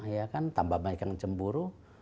ya kan tambah banyak yang cemburu